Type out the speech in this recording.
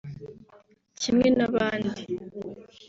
kimwe n’abandi